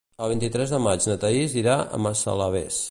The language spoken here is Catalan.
El vint-i-tres de maig na Thaís irà a Massalavés.